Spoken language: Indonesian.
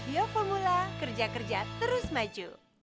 yo formula kerja kerja terus maju